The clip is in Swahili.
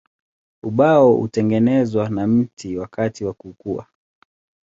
Ubao hutengenezwa na mti wakati wa kukua.